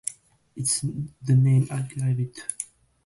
It's the name I give it.